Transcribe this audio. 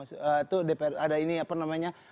itu dpr ada ini apa namanya